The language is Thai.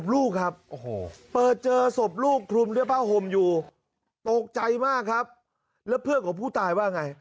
แล้วเพื่อนของผู้ตายว่าไง